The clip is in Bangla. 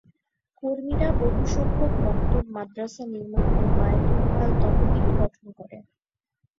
কর্মীরা বহুসংখ্যক মক্তব, মাদ্রাসা নির্মাণ ও বায়তুল মাল তহবিল গঠন করে।